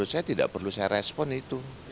saya tidak perlu saya respon itu